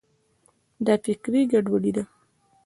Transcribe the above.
دا فکري ګډوډي ده.